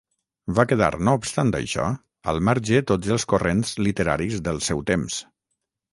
Va quedar, no obstant això, al marge tots els corrents literaris del seu temps.